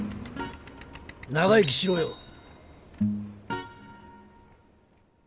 長生きしろよ。